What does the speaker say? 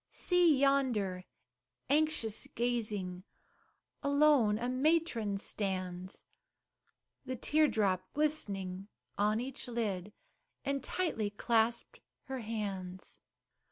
See yonder, anxious gazing, Alone a matron stands, The tear drop glistening on each lid, And tightly clasped her hands.